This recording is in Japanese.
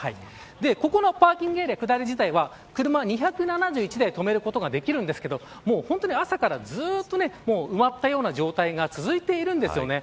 ここのパーキングエリアの下り自体は車２７１台止めることができるんですが本当に朝からずっと埋まったような状態が続いているんですよね。